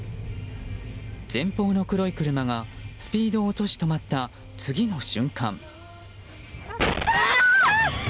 前方の黒い車がスピードを落とし止まった次の瞬間。